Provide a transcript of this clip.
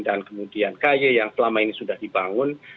dan kemudian kaye yang selama ini sudah dibangun